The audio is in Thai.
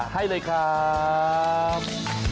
ให้เลยครับ